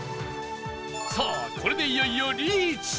さあ、これで、いよいよリーチ！